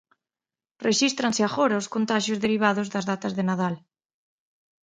Rexístranse agora os contaxios derivados das datas de Nadal.